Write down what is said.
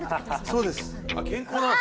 そうです